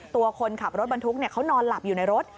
ตัวคนขับรถบรรทุกเขานอนหลับอยู่ในรถ